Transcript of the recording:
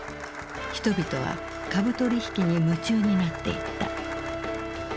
人々は株取引に夢中になっていった。